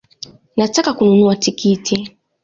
Nataka kununua tikiti